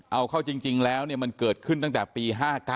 เอาเข้าจริงแล้วมันเกิดขึ้นตั้งแต่ปี๕๙